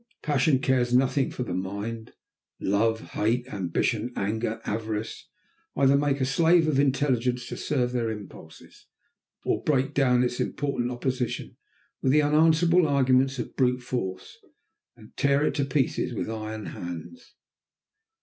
Passion cares nothing for the mind. Love, hate, ambition, anger, avarice, either make a slave of intelligence to serve their impulses, or break down its impotent opposition with the unanswerable argument of brute force, and tear it to pieces with iron hands.